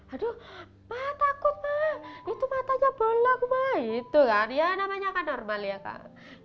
aduh ma takut ma itu matanya bolak ma itu kan ya namanya kan normal ya kan